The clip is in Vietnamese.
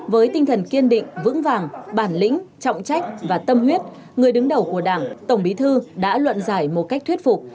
với tinh thần kiên định vững vàng bản lĩnh trọng trách và tâm huyết người đứng đầu của đảng tổng bí thư đã luận giải một cách thuyết phục